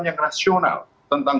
yang rasional tentang